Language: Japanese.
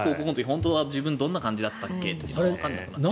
本当は自分どんな感じだったっけってわからなくなっちゃう。